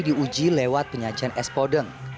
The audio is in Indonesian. di uji lewat penyajian es podeng